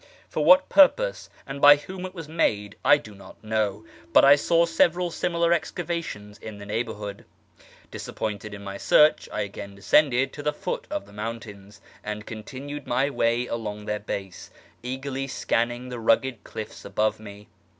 For what purpose and by whom it was made I do not know, but I saw several similar excavations in the neighbourhood. Disappointed in my search, I again descended to the foot of the mountains, and continued my way along their base, eagerly scanning the rugged cliffs above me.